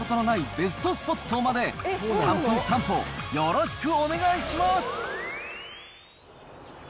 ベストスポットまで、３分散歩よろしくお願いします。